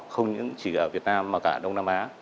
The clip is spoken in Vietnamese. không những chỉ ở việt nam mà cả đông nam á